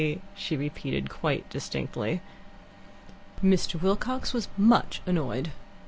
she repeated, quite distinctly. Mr. Wilcox was much annoyed.